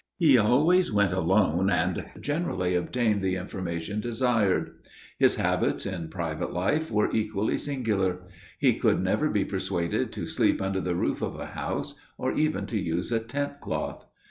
He always went alone, and generally obtained the information desired. His habits in private life were equally singular. He could never be persuaded to sleep under the roof of a house, or even to use a tent cloth.